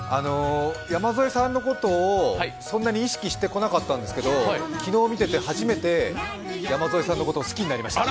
山添さんのことをそんなに意識してなかったんですけど昨日見てて初めて山添さんのことを好きになりました。